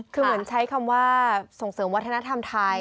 คือเหมือนใช้คำว่าส่งเสริมวัฒนธรรมไทย